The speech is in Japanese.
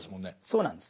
そうなんです。